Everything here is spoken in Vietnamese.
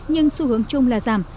nhưng xu hướng chung là giảm